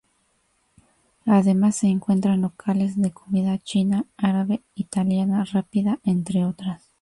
Además se encuentran locales de comida china, árabe, italiana, rápida, entre otras.